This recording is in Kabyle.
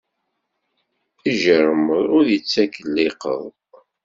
Ijiṛmeḍ ur ittak llqeḍ.